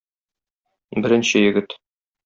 Беренче егет.